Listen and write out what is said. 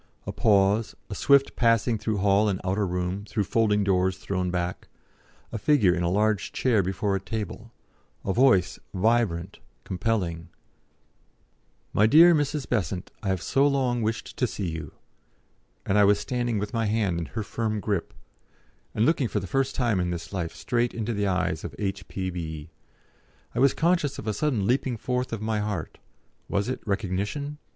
A pause, a swift passing through hall and outer room, through folding doors thrown back, a figure in a large chair before a table, a voice, vibrant, compelling, "My dear Mrs. Besant, I have so long wished to see you," and I was standing with my hand in her firm grip, and looking for the first time in this life straight into the eyes of "H.P.B." I was conscious of a sudden leaping forth of my heart was it recognition?